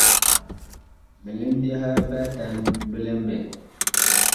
Bilɛm byaha bi atan bi lɛ mɓɛɛŋ.